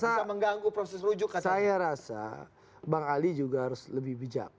saya rasa saya rasa bang ali juga harus lebih bijak